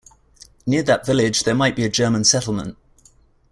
Near that village, there might be a German settlement.